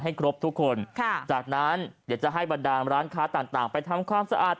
ครบทุกคนค่ะจากนั้นเดี๋ยวจะให้บรรดาลร้านค้าต่างไปทำความสะอาด